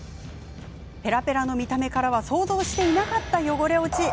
ぺらぺらの見た目からは想像していなかった汚れ落ち。